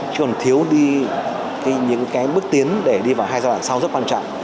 chứ còn thiếu đi những cái bước tiến để đi vào hai giai đoạn sau rất quan trọng